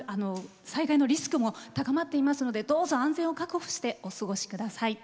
災害のリスクも高まっていますのでどうぞ安全を確保してお過ごしください。